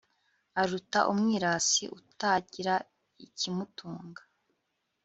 aruta umwirasi utagira ikimutunga